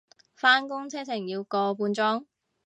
返工車程要個半鐘